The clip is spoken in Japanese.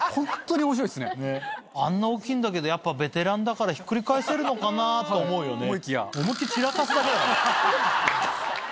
あんな大きいんだけどやっぱベテランだからひっくり返せるのかな？と思うよね。